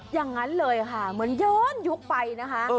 อย่างนั้นเลยค่ะเหมือนย้อนยุคไปนะคะ